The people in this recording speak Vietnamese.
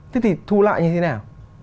thế thì thu lại như thế nào